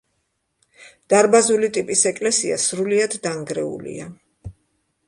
დარბაზული ტიპის ეკლესია სრულიად დანგრეულია.